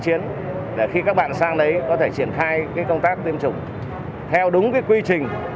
chiến để khi các bạn sang đấy có thể triển khai công tác tiêm chủng theo đúng cái quy trình